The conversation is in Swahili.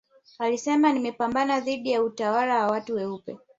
alisema nimepambana dhidi ya utawala wa watu weupe